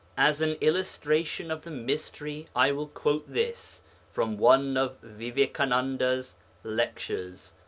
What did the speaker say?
As an illustration of the mystery I will quote this from one of Vivekananda's lectures.